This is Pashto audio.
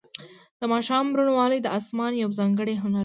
د ماښام روڼوالی د اسمان یو ځانګړی هنر دی.